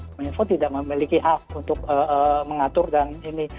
kominfo tidak memiliki hak untuk mengatur dan ini